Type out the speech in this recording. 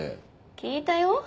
聞いたよ。